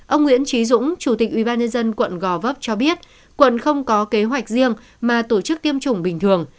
ông nguyễn trí dũng chủ tịch ubnd quận gò vấp cho biết quận không có kế hoạch riêng mà tổ chức tiêm chủng bình thường